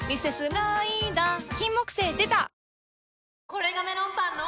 これがメロンパンの！